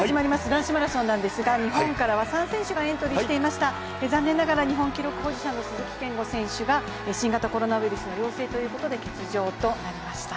男子マラソンなんですが日本からは３選手がエントリーしていました残念ながら日本記録保持者の鈴木健吾選手が新型コロナウイルスの陽性ということで欠場となりました。